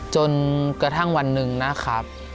จนกระทั่งวันหนึ่งนะครับ